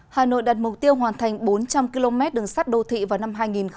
hà nội đặt mục tiêu hoàn thành bốn trăm linh km đường sắt đô thị vào năm hai nghìn hai mươi